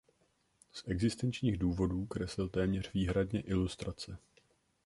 Z existenčních důvodů kreslil téměř výhradně ilustrace.